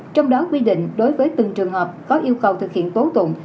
trong đó quy định đối với từng trường hợp có yêu cầu thực hiện tố tụng